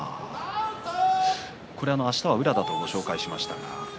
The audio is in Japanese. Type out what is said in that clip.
あしたは宇良と紹介しました。